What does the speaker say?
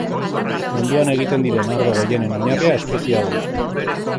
Munduan egiten diren ardo gehienen oinarria espezie hau da.